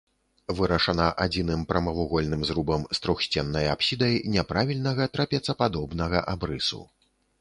Вырашана адзіным прамавугольным зрубам з трохсценнай апсідай няправільнага трапецападобнага абрысу.